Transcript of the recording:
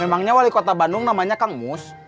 emangnya wali kota bandung namanya kang mus